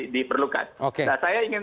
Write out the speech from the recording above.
diperlukan saya ingin